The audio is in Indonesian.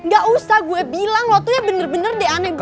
gak usah gue bilang lo tuh ya bener bener deh aneh banget